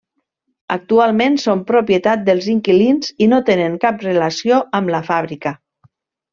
Actualment són propietat dels inquilins i no tenen cap relació amb la fàbrica.